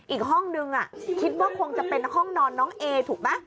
อีกห้องนึงคิดว่าคงจะเป็นห้องนอนน้องเอถูกไหม